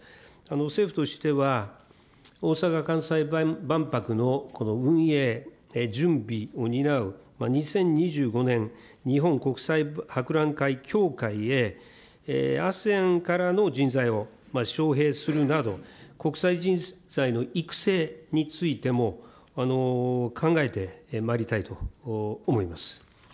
政府としては、大阪・関西万博のこの運営、準備を担う２０２５年日本国際博覧会協会へ、ＡＳＥＡＮからの人材を招へいするなど国際人材の育成についても、考えてまいりたいと思います。